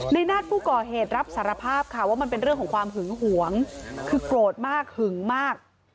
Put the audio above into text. นาฏผู้ก่อเหตุรับสารภาพค่ะว่ามันเป็นเรื่องของความหึงหวงคือโกรธมากหึงมาก